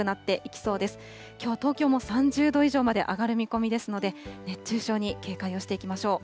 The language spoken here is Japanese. きょうは東京も３０度以上まで上がる見込みですので、熱中症に警戒をしていきましょう。